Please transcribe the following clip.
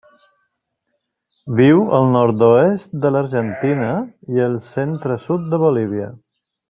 Viu al nord-oest de l'Argentina i el centre-sud de Bolívia.